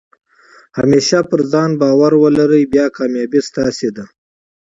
همېشه پر ځان بارو ولرئ، بیا کامیابي ستاسي ده.